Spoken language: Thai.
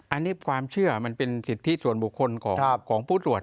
อันนี้ความเชื่อมันเป็นสิทธิส่วนบุคคลของผู้ตรวจ